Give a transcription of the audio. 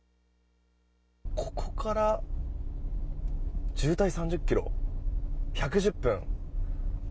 ここから渋滞３０ｋｍ１１０分。